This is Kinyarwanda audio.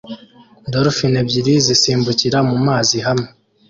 Dolphine ebyiri zisimbukira mu mazi hamwe